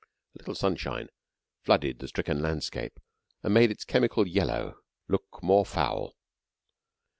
A little sunshine flooded the stricken landscape and made its chemical yellow look more foul.